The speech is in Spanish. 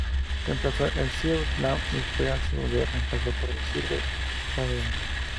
Reemplazó al Silver Dawn y fue, a su vez, reemplazado por el Silver Shadow.